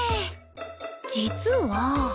実は。